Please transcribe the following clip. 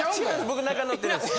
僕中乗ってるんです。